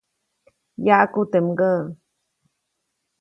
Yaʼku teʼ mgäʼ.